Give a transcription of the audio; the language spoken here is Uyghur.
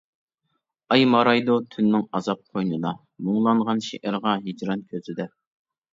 ئاي مارايدۇ تۈننىڭ ئازاب قوينىدا، مۇڭلانغان شېئىرغا ھىجران كۆزىدە.